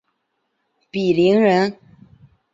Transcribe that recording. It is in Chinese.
鄙陵人。